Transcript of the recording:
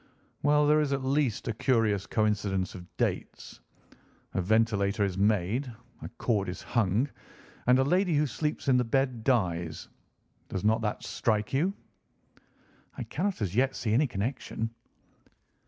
"Well, there is at least a curious coincidence of dates. A ventilator is made, a cord is hung, and a lady who sleeps in the bed dies. Does not that strike you?" "I cannot as yet see any connection."